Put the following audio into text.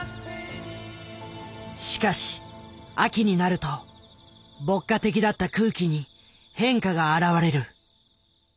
しかし秋になると牧歌的だった空気に変化があらわれる。